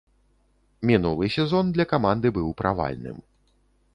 Мінулы сезон для каманды быў правальным.